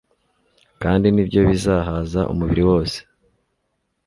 kandi ni byo bizahaza umubiri wose